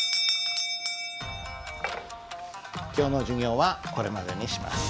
今日の授業はこれまでにします。